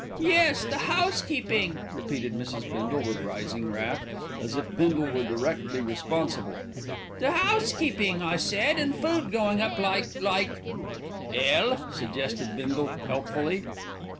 "Yes, the housekeeping," repeated Mrs. Bindle with rising wrath, as if Bindle were directly responsible, "the housekeeping, I said, and food going up like like " "'Ell," suggested Bindle helpfully.